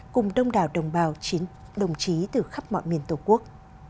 cùng đông đảo đồng bào đồng chí từ khắp mọi miền tổ quốc